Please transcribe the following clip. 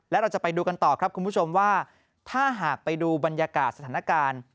และเราจะไปดูกันต่อครับคุณผู้ชมว่าถ้าหากไปดูบรรยากาศสถานการณ์